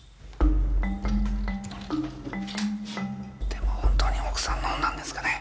でも本当に奥さん飲んだんですかね？